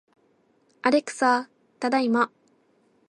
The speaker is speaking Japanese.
アレクサ、ただいま